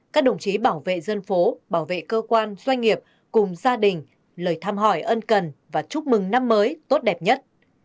các đồng chí bảo vệ dân phố bảo vệ cơ quan doanh nghiệp cùng gia đình lời thăm hỏi ân cần và chúc mừng năm mới tốt đẹp nhất